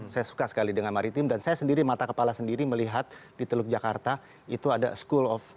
saya suka sekali dengan maritim dan saya sendiri mata kepala sendiri melihat di teluk jakarta itu ada school of